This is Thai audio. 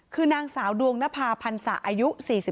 คือนางสาวดวงนภาพันษะอายุ๔๓